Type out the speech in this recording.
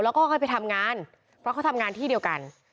แล้วก็ค่อยไปทำงานเพราะเขาทำงานที่เดียวกัน